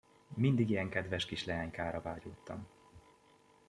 Mindig ilyen kedves kis leánykára vágyódtam!